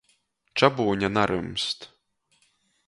Čabūņa narymst.